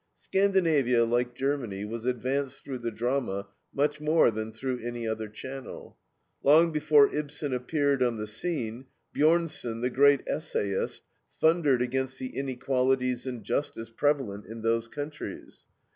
Scandinavia, like Germany, was advanced through the drama much more than through any other channel. Long before Ibsen appeared on the scene, Bjornson, the great essayist, thundered against the inequalities and injustice prevalent in those countries.